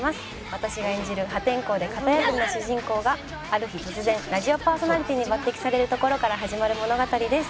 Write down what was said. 私が演じる破天荒で型破りの主人公がある日突然ラジオパーソナリティーに抜擢されるところから始まる物語です。